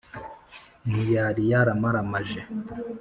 Ntiyari yaramaramaje.